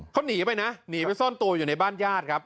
เขาหนีไปนะหนีไปซ่อนตัวอยู่ในบ้านญาติครับ